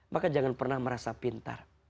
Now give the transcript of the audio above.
maka jangan pernah merasa pintar